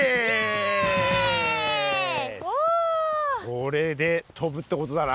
これで飛ぶってことだな？